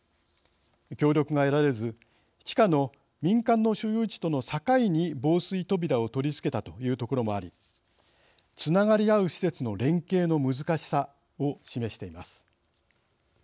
協力が得られず地下の民間の所有地との境に防水扉を取り付けたという所もありつながり合う施設の連携の難しさを示しています。